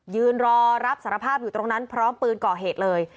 ยืนรอรับสารภาพอยู่ตรงนั้นพร้อมปืนก่อเหตุเลย